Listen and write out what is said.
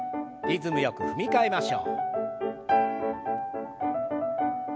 リズムよく踏み替えましょう。